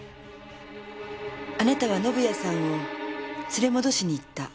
あなたは宣也さんを連れ戻しに行った。